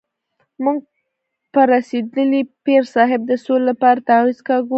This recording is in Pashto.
موږ په رسېدلي پیر صاحب د سولې لپاره تعویض کاږو.